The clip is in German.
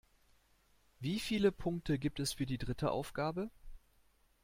Wie viele Punkte gibt es für die dritte Aufgabe?